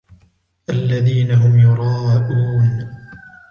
الذين هم يراءون